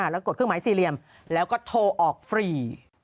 แล้วกดเครื่องหมายสี่เหลี่ยมแล้วก็โทรออกฟรี